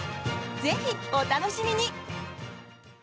ぜひお楽しみに！